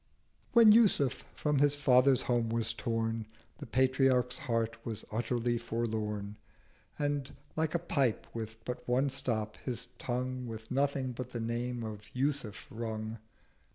When Yusuf from his Father's Home was torn, The Patriarch's Heart was utterly forlorn, 520 And, like a Pipe with but one stop, his Tongue With nothing but the name of 'Yusuf' rung.